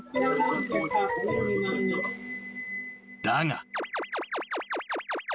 ［だが］